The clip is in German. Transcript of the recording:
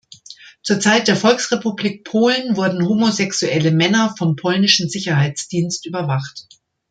Zur Zeit der Volksrepublik Polen wurden homosexuelle Männer vom polnischen Sicherheitsdienst überwacht.